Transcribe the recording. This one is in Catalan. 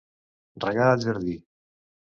Regar el jardí.